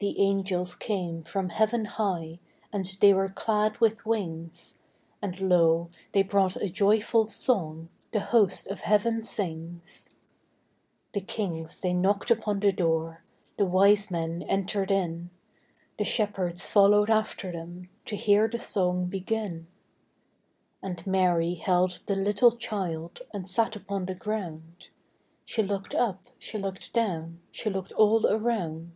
The angels came from heaven high, And they were clad with wings; And lo, they brought a joyful song The host of heaven sings. The kings they knocked upon the door, The wise men entered in, The shepherds followed after them To hear the song begin. And Mary held the little child And sat upon the ground; She looked up, she looked down, She looked all around.